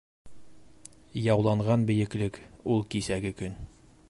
Яуланған бейеклек - ул кисәге көн.